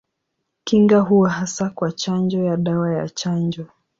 Kinga huwa hasa kwa chanjo ya dawa ya chanjo.